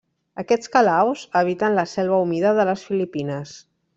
Aquests calaus habiten la selva humida de les Filipines.